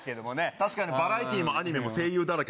確かにバラエティーもアニメも声優だらけ。